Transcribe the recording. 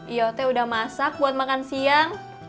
iya pak sudah masak buat makan siang